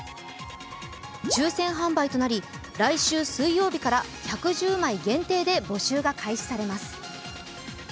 抽選販売となり、来週水曜日から１１０枚限定で募集が開始されます。